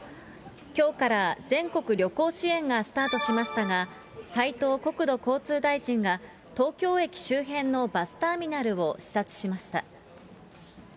きょうから全国旅行支援がスタートしましたが、斉藤国土交通大臣が、東京駅周辺のバスターミナルを視察しました。